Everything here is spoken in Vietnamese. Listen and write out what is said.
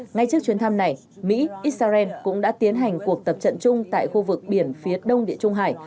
ngay trước chuyến thăm này mỹ israel cũng đã tiến hành cuộc tập trận chung tại khu vực biển phía đông địa trung hải